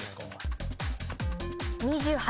２８。